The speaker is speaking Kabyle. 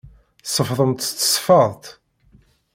Tsefḍemt s tesfeḍt.